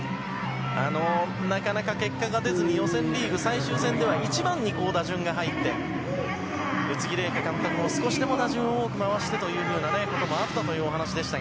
なかなか、結果が出ずに予選リーグ最終戦では１番に打順が入って宇津木麗華監督も少しでも打順を多く回してということもあったというお話でした。